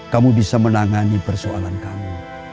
kamu bisa menangani persoalan kamu